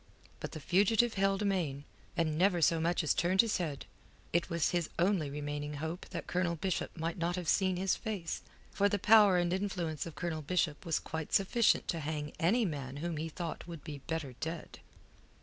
But the fugitive held amain, and never so much as turned his head. It was his only remaining hope that Colonel Bishop might not have seen his face; for the power and influence of Colonel Bishop was quite sufficient to hang any man whom he thought would be better dead.